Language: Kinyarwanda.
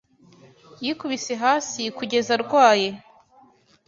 Yikubise hasi kugeza arwaye